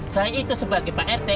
saya itu sebagai pak saya itu kecepatan